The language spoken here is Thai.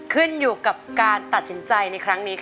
ขึ้นอยู่กับการตัดสินใจในครั้งนี้ค่ะ